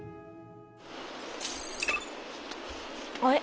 あれ？